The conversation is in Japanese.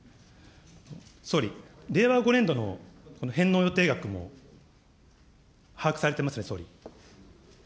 総理、令和５年度のこの返納予定額も把握されてますね、総理。